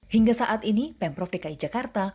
hingga saat ini pemprov dki jakarta